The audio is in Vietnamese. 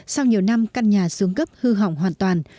sau nhiều năm căn nhà xuống cấp hư hỏng hoàn toàn